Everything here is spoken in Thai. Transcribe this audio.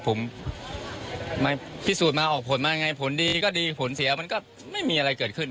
ผมมาพิสูจน์มาออกผลมายังไงผลดีก็ดีผลเสียมันก็ไม่มีอะไรเกิดขึ้น